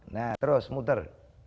nah terus muter